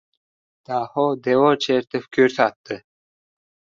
Daho devor chertib ko‘rsatdi.